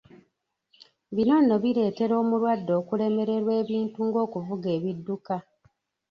Bino nno bireetera omulwadde okulemererwa ebintu ng'okuvuga ebidduka.